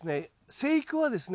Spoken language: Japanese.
生育はですね